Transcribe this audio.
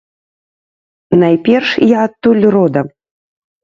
Найперш, я адтуль родам.